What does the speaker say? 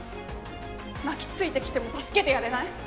泣きついてきても助けてやれない？